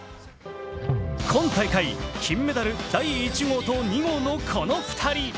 今大会金メダル第１号と２号のこの２人。